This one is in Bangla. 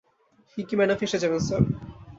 পিঙ্কি ম্যাডাম ফেঁসে যাবেন, স্যার।